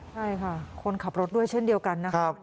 ใช่ค่ะคนขับรถด้วยเช่นเดียวกันนะครับ